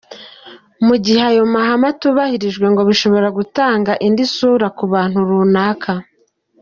Mu gihe ayo mahame atubahirijwe ngo bishobora gutanga indi sura ku bantu runaka.